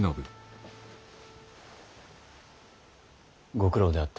ご苦労であった。